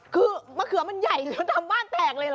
คือมะเขือมันใหญ่แล้วดำบ้านแตกเลยเหรอ